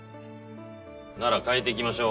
なら変えていきましょ。